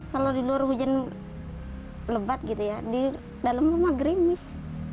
kalau di luar hujan lebat gitu ya di dalam rumah gerimis